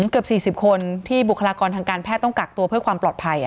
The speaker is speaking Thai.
เกือบ๔๐คนที่บุคลากรทางการแพทย์ต้องกักตัวเพื่อความปลอดภัย